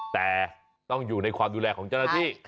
แต่ต้องอยู่ในความดูแลของเจ้าหน้าที่